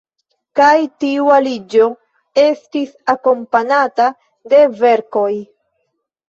Kaj tiu aliĝo estis akompanata de verkoj.